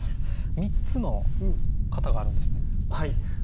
３つの型があるんですね。